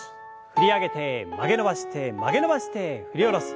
振り上げて曲げ伸ばして曲げ伸ばして振り下ろす。